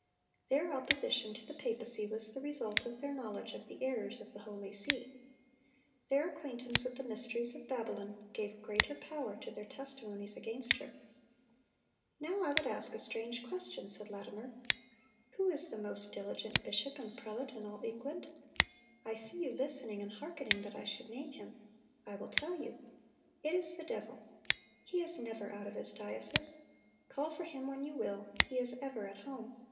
Their opposition to the papacy was the result of their knowledge of the errors of the "holy see." Their acquaintance with the mysteries of Babylon, gave greater power to their testimonies against her. "Now I would ask a strange question," said Latimer. "Who is the most diligent bishop and prelate in all England? ... I see you listening and hearkening that I should name him.... I will tell you: it is the devil.... He is never out of his diocese; ... call for him when you will, he is ever at home